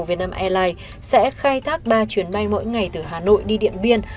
vietnam airlines sẽ khai thác ba chuyến bay mỗi ngày từ hà nội đi điện biên